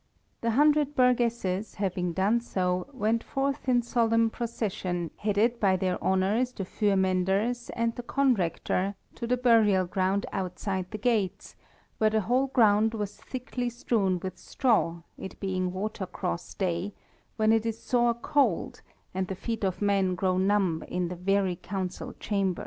The hundred burgesses, having so done, went forth in solemn procession, headed by their Honours the Fürmenders and the Conrector, to the burial ground outside the gates, where the whole ground was thickly strewn with straw, it being Water Cross Day, when it is sore cold, and the feet of men grow numb in the very council chamber.